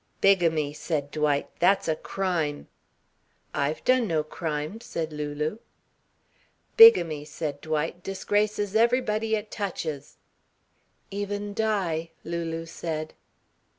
"Bigamy," said Dwight, "that's a crime." "I've done no crime," said Lulu. "Bigamy," said Dwight, "disgraces everybody it touches." "Even Di," Lulu said.